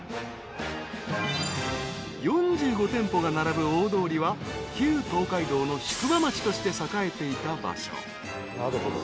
［４５店舗が並ぶ大通りは旧東海道の宿場町として栄えていた場所］